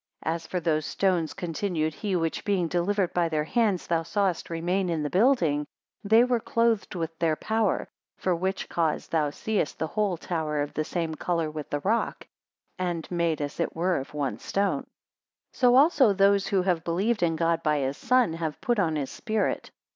125 As for those stones, continued he, which being delivered by their hands, thou sawest remain in the building, they were clothed with their power; for which cause thou seest the whole tower of the same colour with the rock, and made as it were of one stone. 126 So also those who have believed in God by his Son, have put on his spirit.